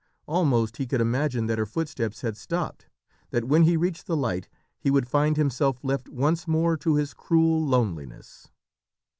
Almost he could imagine that her footsteps had stopped, that when he reached the light he would find himself left once more to his cruel loneliness.